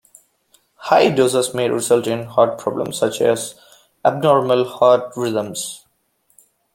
High doses may result in heart problems such as abnormal heart rhythms.